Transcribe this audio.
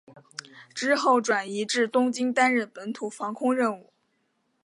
之后转移至东京担任本土防空任务。